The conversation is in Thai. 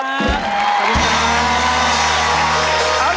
ขอบคุณมาอย่างสูงครับขอบคุณครับขอบคุณครับ